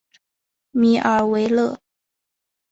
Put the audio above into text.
米尔维勒。